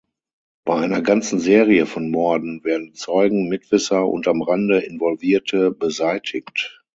Bei einer ganzen Serie von Morden werden Zeugen, Mitwisser und am Rande Involvierte beseitigt.